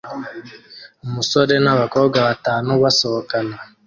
Umusore nabakobwa batanu basohokana